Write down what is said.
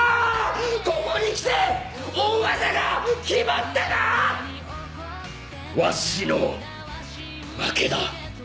ここに来て大技が決まったか⁉わしの負けだ。